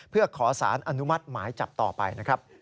เพื่อขอสารอนุมัติหมายจับต่อไป